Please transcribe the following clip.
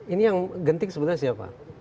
ini yang gentik sebenarnya siapa